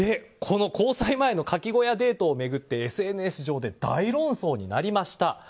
交際前のかき小屋デートを巡ってＳＮＳ上で大論争になりました。